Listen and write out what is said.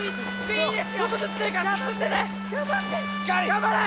頑張れ！